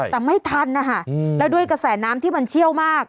แต่ไม่ทันนะคะแล้วด้วยกระแสน้ำที่มันเชี่ยวมาก